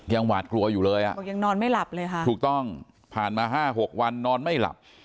ยังหวาดกลัวอยู่เลยอะถูกต้องผ่านมา๕๖วันนอนไม่หลับเลยค่ะ